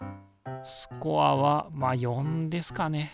スコアはまあ４ですかね。